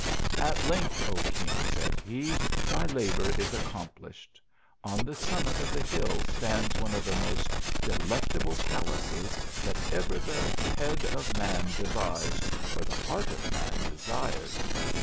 " At length, O king," said he, " my labour is accomplished. On the sum mit of the hill stands one of the most delectable pal aces that ever the head of man devised, or the heart of man desired.